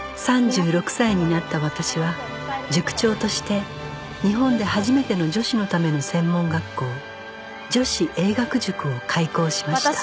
３６歳になった私は塾長として日本で初めての女子のための専門学校女子英学塾を開校しました